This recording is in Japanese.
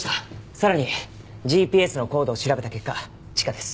さらにＧＰＳの高度を調べた結果地下です。